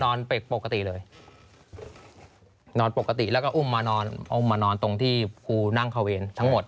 เป็กปกติเลยนอนปกติแล้วก็อุ้มมานอนอุ้มมานอนตรงที่ครูนั่งเข้าเวรทั้งหมด